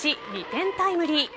２点タイムリー。